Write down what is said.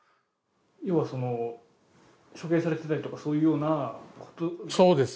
要はその処刑されてたりとかそういうようなことそうです